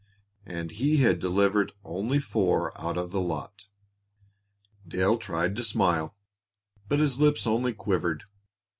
And he had delivered only four out of the lot! Dale tried to smile, but his lips only quivered.